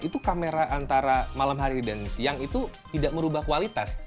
itu kamera antara malam hari dan siang itu tidak merubah kualitas